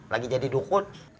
lagi jadi dukun